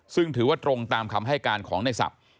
ซึ่งถือว่าตรงตามคำให้การของในศัพท์